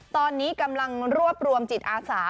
ตอนนี้กำลังรวบรวมจิตอาสา